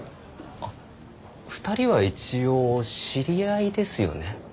あ２人は一応知り合いですよね？